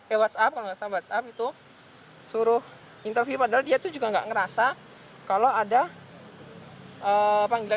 e whatsapp whatsapp itu suruh interview padahal dia tuh juga nggak ngerasa kalau ada panggilan